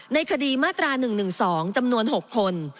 ในคดีมาตรา๑๑๒จำนวน๖คน